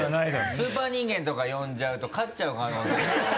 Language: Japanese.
スーパー人間とか呼んじゃうと勝っちゃう可能性が。